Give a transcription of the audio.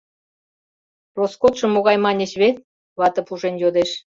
— Роскотшо могай, маньыч вет? — вате пужен йодеш.